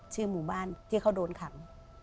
หมู่บ้านที่เขาโดนขัง